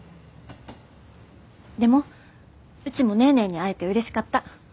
でもうちもネーネーに会えてうれしかった。